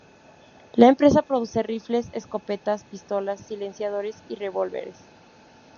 La empresa produce rifles, escopetas, pistolas, silenciadores y revólveres.